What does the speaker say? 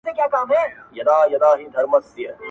• سپی ناجوړه سو او مړ سو ناګهانه..